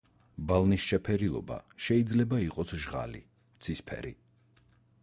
ბალნის შეფერილობა შეიძლება იყოს ჟღალი, ცისფერი.